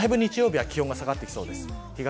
日曜日は気温が下がってきそうです。